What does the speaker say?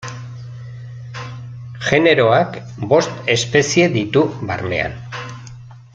Generoak bost espezie ditu barnean.